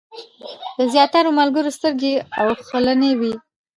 د زیاترو ملګرو سترګې اوښلنې وې.